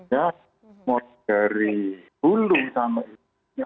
ya mau dari dulu kita menilainya